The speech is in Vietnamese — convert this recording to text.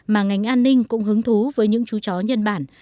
mà ngành an ninh cũng hứng thú với những chú chó nhân bản